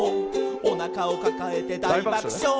「おなかをかかえてだいばくしょう」